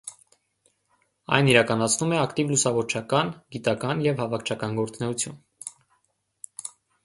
Այն իրականացնում է ակտիվ լուսավորչական, գիտական և հավաքչական գործունեություն։